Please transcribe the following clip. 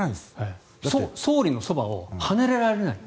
総理のそばを離れられない。